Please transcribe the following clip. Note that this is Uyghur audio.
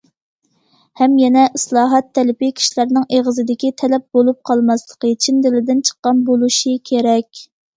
ھەم يەنە ئىسلاھات تەلىپى كىشىلەرنىڭ ئېغىزىدىكى تەلەپ بولۇپ قالماسلىقى، چىن دىلىدىن چىققان بولۇشى كېرەك.